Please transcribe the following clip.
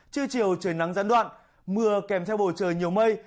trưa chiều trời nắng giãn đoạn mưa kèm theo bồi trời nhiều mây